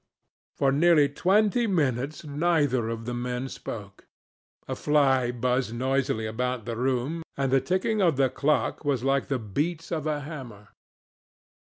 For nearly twenty minutes, neither of the men spoke. A fly buzzed noisily about the room, and the ticking of the clock was like the beat of a hammer.